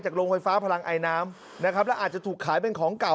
โรงไฟฟ้าพลังไอน้ำนะครับแล้วอาจจะถูกขายเป็นของเก่า